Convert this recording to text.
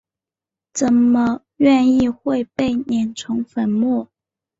怎么愿意会被碾成粉末？